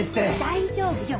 大丈夫よ。